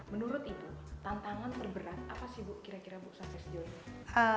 menurut ibu tantangan terberat apa sih bu kira kira bu sukses joinnya